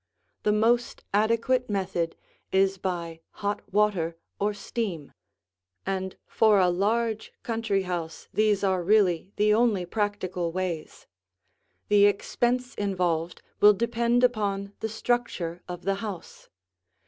The most adequate method is by hot water or steam, and for a large country house these are really the only practical ways. The expense involved will depend upon the structure of the house.